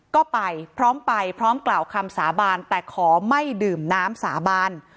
ก็ไปพร้อมไปพร้อมกล่าวคำสาบานแต่ขอไม่ดื่มน้ำสาบาน